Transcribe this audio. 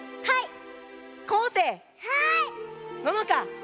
はい！